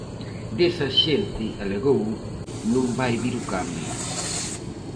Desa "xente", alegou, "non vai vir o cambio".